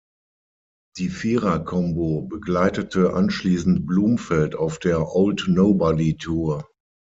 Die Vierer-Combo begleitete anschließend Blumfeld auf der „Old Nobody Tour“.